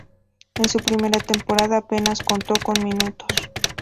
En su primera temporada apenas contó con minutos.